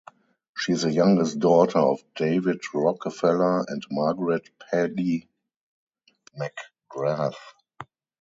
She is the youngest daughter of David Rockefeller and Margaret "Peggy" McGrath.